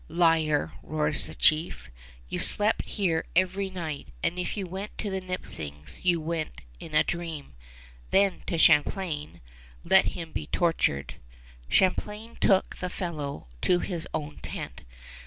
"Liar," roars the chief. "You slept here every night, and if you went to the Nipissings, you went in a dream." Then to Champlain, "Let him be tortured." Champlain took the fellow to his own tent.